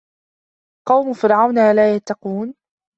قَومَ فِرعَونَ أَلا يَتَّقونَ